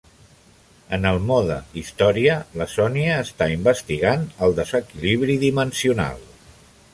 En el mode història, la Sonya està investigant el desequilibri dimensional.